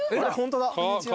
こんにちは。